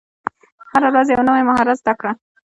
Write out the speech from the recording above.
هره ورځ یو نوی مهارت زده کړه.